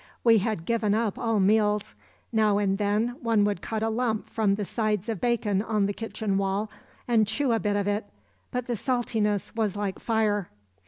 We had given up all meals; now and then one would cut a lump from the sides of bacon on the kitchen wall and chew a bit of it, but the saltness was like fire.